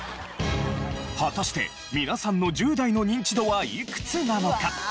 果たして皆さんの１０代のニンチドはいくつなのか？